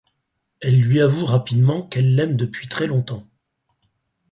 Elle lui avoue rapidement qu'elle l'aime depuis très longtemps.